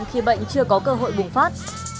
khi bệnh chưa có cơ hội bùng phát